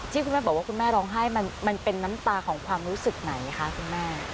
ที่คุณแม่บอกว่าคุณแม่ร้องไห้มันเป็นน้ำตาของความรู้สึกไหนคะคุณแม่